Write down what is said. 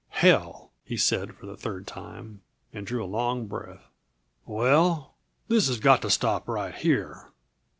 "Hell!" he said for the third time, and drew a long breath. "Well, this has got to stop right here!"